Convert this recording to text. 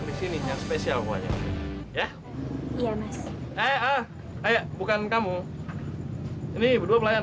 di sini nggak ada kipas angin atau ac pelayan